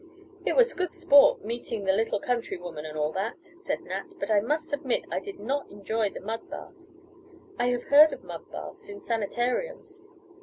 "It was good sport, meeting the little country woman and all that," said Nat, "but I must admit I did not enjoy the mud bath. I have heard of mud baths in sanitariums.